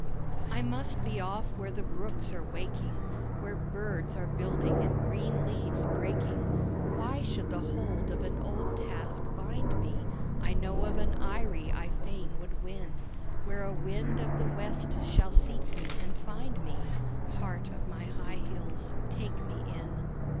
I must be off where the brooks are waking, Where birds are building and green leaves breaking. Why should the hold of an old task bind me? I know of an eyrie I fain would win Where a wind of the West shall seek me and find me, (Heart of my high hills, take me in.)